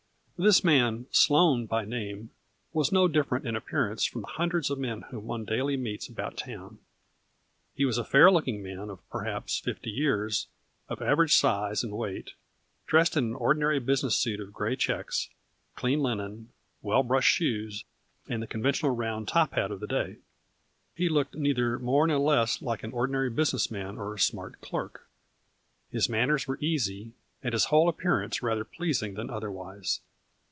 This man, Sloane by name, was no different in appearance from hundreds of men whom one daily meets about town. He was a fair look ing man of perhaps fifty years, of average size and weight, dressed in an ordinary business suit of gray checks, clean linen, well brushed shoes and the conventional round top hat of the day. He looked neither more nor less than an ordinary business man or smart clerk. His manners were easy, and his whole appear ance rather pleasing than otherwise.